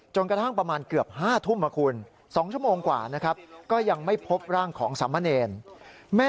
จนกระทั่งประมาณเกือบ๕ทุ่ม